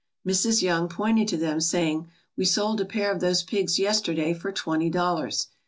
Mrs. Young pointed to them, saying, "We sold a pair of those pigs yesterday for twenty dollars.